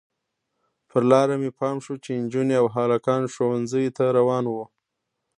پر لاره مې پام شو چې نجونې او هلکان ښوونځیو ته روان وو.